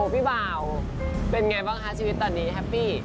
พี่บ่าวเป็นไงบ้างคะชีวิตตอนนี้แฮปปี้